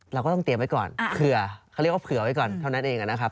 เราก็ต้องเตรียมไว้ก่อนเผื่อเขาเรียกว่าเผื่อไว้ก่อนเท่านั้นเองนะครับ